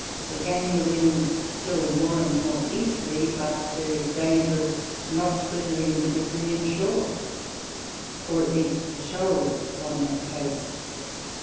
they gain the Wind still more and more Easterly; but there is danger of not weathering the Brazilian Shoar, or at least the Shoals upon that Coast.